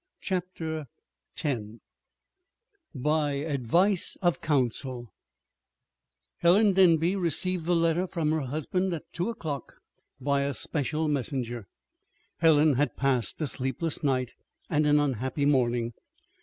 CHAPTER X BY ADVICE OF COUNSEL Helen Denby received the letter from her husband at two o'clock by a special messenger. Helen had passed a sleepless night and an unhappy morning.